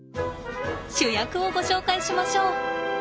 主役をご紹介しましょう。